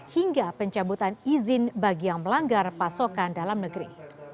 hingga pencabutan izin bagi yang melanggar pasokan dalam negeri